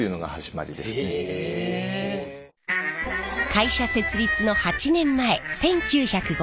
会社設立の８年前１９５１年。